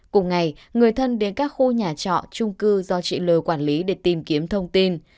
cùng ngày người thân đến các khu nhà trọ trung cư do chị l quản lý để tìm kiếm thông tin